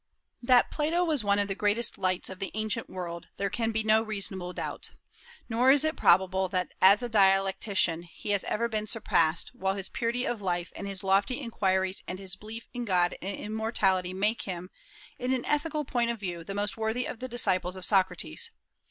That Plato was one of the greatest lights of the ancient world there can be no reasonable doubt. Nor is it probable that as a dialectician he has ever been surpassed, while his purity of life and his lofty inquiries and his belief in God and immortality make him, in an ethical point of view, the most worthy of the disciples of Socrates.